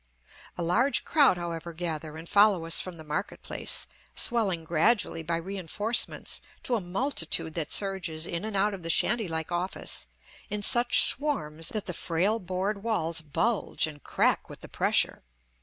A large crowd, however, gather and follow us from the market place, swelling gradually by reenforcements to a multitude that surges in and out of the shanty like office in such swarms that the frail board walls bulge and crack with the pressure.